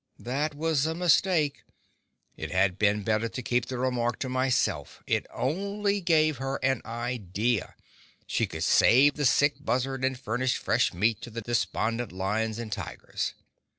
That was a mistake—it had been better to keep the remark to myself; it only gave her an idea—she could save the sick buzzard, and furnish fresh meat to the despondent lions and tigers.